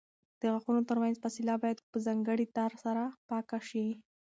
د غاښونو ترمنځ فاصله باید په ځانګړي تار سره پاکه شي.